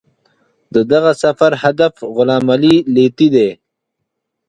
د دغه سفر هدف غلام علي لیتي دی.